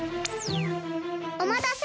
おまたせ。